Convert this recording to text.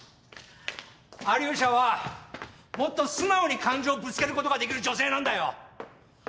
アリョーシャはもっと素直に感情をぶつけることができる女性なんだよ。